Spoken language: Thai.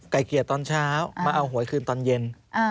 เกลียดตอนเช้ามาเอาหวยคืนตอนเย็น